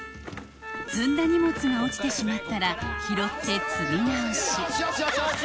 積んだ荷物が落ちてしまったら拾って積み直しよしよし！